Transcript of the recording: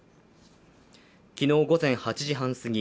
昨日午前８時半すぎ